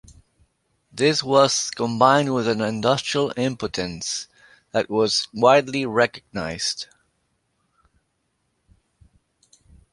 This was combined with an industrial impotence that was widely recognised.